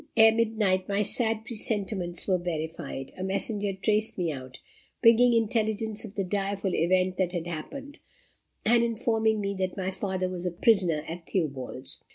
Ere midnight, my sad presentiments were verified. A messenger traced me out, bringing intelligence of the direful event that had happened, and informing me that my father was a prisoner at Theobalds.